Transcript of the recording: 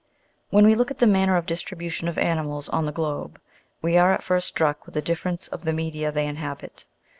When we look at the manner of distribution of animals on the globe, we are at first struck with the difference of the media they inhabit.